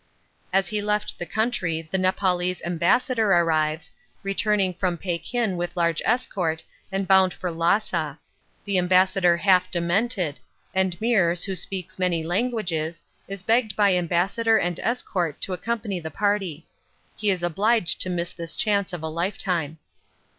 As he left the country the Nepaulese ambassador arrives, returning from Pekin with large escort and bound for Lhassa: the ambassador half demented: and Meares, who speaks many languages, is begged by ambassador and escort to accompany the party. He is obliged to miss this chance of a lifetime.